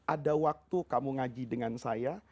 ada waktu kamu ngaji dengan saya